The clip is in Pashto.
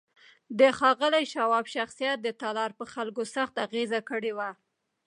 د ښاغلي شواب شخصیت د تالار پر خلکو سخت اغېز کړی و